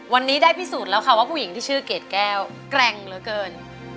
วันนี้ได้พิสูจน์แล้วค่ะว่าผู้หญิงที่ชื่อเกรดแก้วแกร่งเหลือเกิน